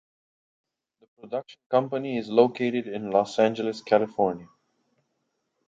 The production company is located in Los Angeles, California.